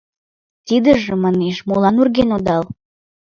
— Тидыжым, манеш, молан урген одал?